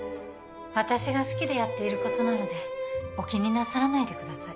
私が好きでやっていることなのでお気になさらないでください